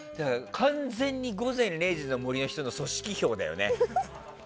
完全に「午前０時の森」の人の組織票だよね。